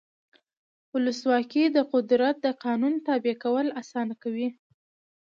ولسواکي د قدرت د قانون تابع کول اسانه کوي.